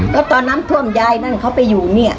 แล้วตอนน้ำท่วมยายนั่นเขาไปอยู่เนี่ย